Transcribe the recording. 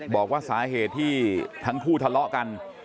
บอกว่าสาเหตุที่ทั้งคู่ทะเลาะกัน